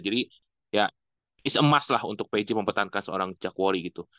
jadi ya is a must lah untuk pj mempertahankan seorang jack quarry gitu